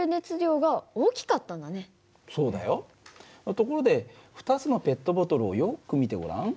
ところで２つのペットボトルをよく見てごらん。